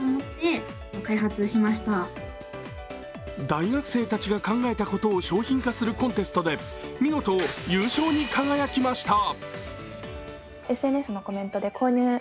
大学生たちが考えたことを商品化するコンテストで見事、優勝に輝きました。